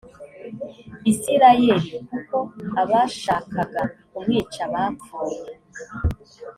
isirayeli kuko abashakaga kumwica bapfuye